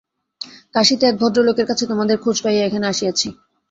কাশীতে এক ভদ্রলোকের কাছে তোমাদের খোঁজ পাইয়া এখানে আসিয়াছি।